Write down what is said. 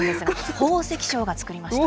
宝石商が作りました。